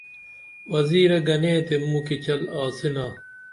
وزیرے گنے تے موکی چل آڅینا